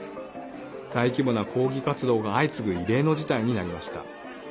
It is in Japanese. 大規模な抗議活動が相次ぐ異例の事態になりました。